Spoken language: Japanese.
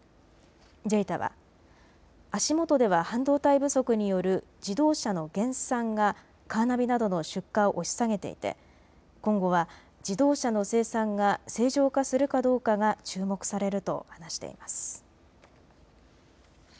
ＪＥＩＴＡは足元では半導体不足による自動車の減産がカーナビなどの出荷を押し下げていて今後は自動車の生産が正常化するかどうかが注目されると話しています。